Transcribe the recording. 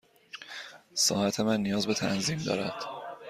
ساعت من نیاز به تنظیم دارد.